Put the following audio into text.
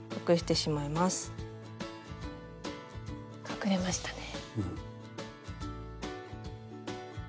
隠れましたね。